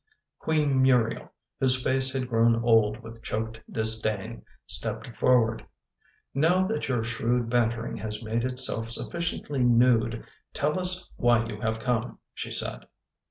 Queen Muriel, whose face had grown old with choked disdain, stepped forward. " Now that your shrewd bantering has made itself sufficiently nude, tell us why you have come," she said.